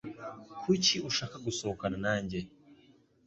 Kuki ushaka gusohokana nanjye?